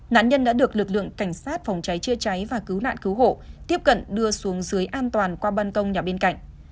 nạn nhân đã được lực lượng cảnh sát phòng cháy chữa cháy và cứu nạn cứu hộ tiếp cận đưa xuống dưới an toàn qua ban công nhà bên cạnh